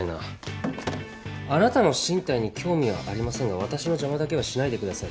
あなたの進退に興味はありませんが私の邪魔だけはしないでください。